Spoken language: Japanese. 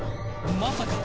まさか？